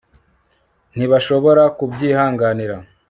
ntibashobora kubyihanganira